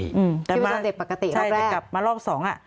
ชิปจรเด็กปกติรอบแรกใช่กลับมารอบสองอ่ะ